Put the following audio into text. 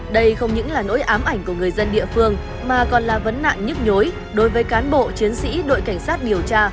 đây không những là nỗi ám ảnh của người dân địa phương mà còn là vấn nạn nhức nhối đối với cán bộ chiến sĩ đội cảnh sát điều tra